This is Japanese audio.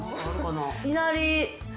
いなり。